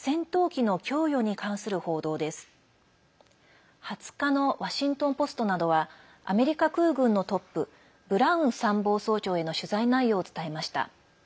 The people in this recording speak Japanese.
２０日のワシントン・ポストなどはアメリカ空軍のトップブラウン参謀総長への取材内容を伝えました。